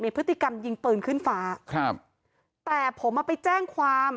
พฤติกรรมยิงปืนขึ้นฟ้าครับแต่ผมอ่ะไปแจ้งความ